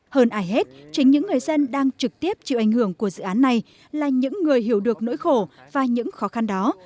hơn ai hết chính những người dân đang trực tiếp chịu ảnh hưởng của dự án này là những người hiểu được nỗi khổ và những khó khăn đó